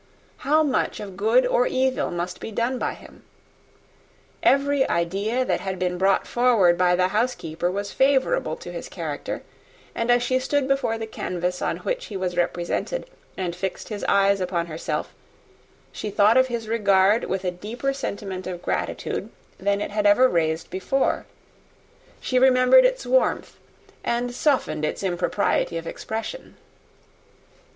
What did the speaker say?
How much of good or evil must be done by him! Every idea that had been brought forward by the housekeeper was favourable to his character; and as she stood before the canvas, on which he was represented, and fixed his eyes upon herself, she thought of his regard with a deeper sentiment of gratitude than it had ever raised before: she remembered its warmth, and softened its impropriety of expression.